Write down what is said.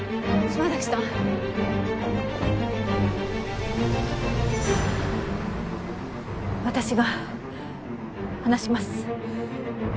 私が話します。